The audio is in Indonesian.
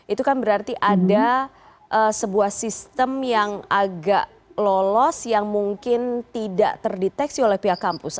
itu kan berarti ada sebuah sistem yang agak lolos yang mungkin tidak terdeteksi oleh pihak kampus